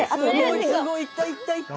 いったいったいった。